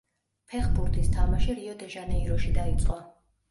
ფეხბურთის თამაში რიო-დე-ჟანეიროში დაიწყო.